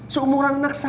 seumuran anak saja